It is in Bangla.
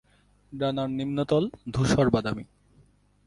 ডানার নিম্নতল ধূসর বাদামি।